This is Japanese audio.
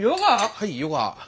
はいヨガ。